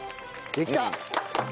できた！